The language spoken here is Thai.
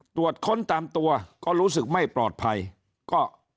ตรวจค้นตามตัวก็รู้สึกไม่ปลอดภัยก็